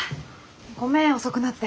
ごめん遅くなって。